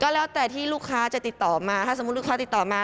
แล้วแต่ที่ลูกค้าจะติดต่อมาถ้าสมมุติลูกค้าติดต่อมา